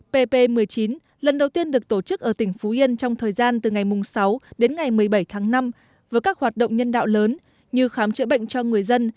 pp một mươi chín lần đầu tiên được tổ chức ở tỉnh phú yên trong thời gian từ ngày sáu đến ngày một mươi bảy tháng năm với các hoạt động nhân đạo lớn như khám chữa bệnh cho người dân